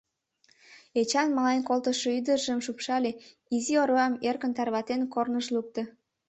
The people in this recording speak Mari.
Эчан мален колтышо ӱдыржым шупшале, изи орвам, эркын тарватен, корныш лукто.